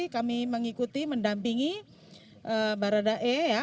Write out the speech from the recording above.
kami mengikuti mendampingi barada e ya